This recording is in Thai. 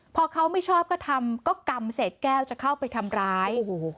พอเขาไม่ชอบก็ทำก็กำเศษแก้วจะเข้าไปทำร้ายโอ้โห